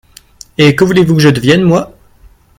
Et que voulez-vous que je devienne, moi ?